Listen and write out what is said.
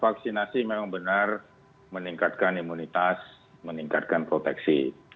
vaksinasi memang benar meningkatkan imunitas meningkatkan proteksi